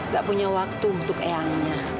gak punya waktu untuk eyangnya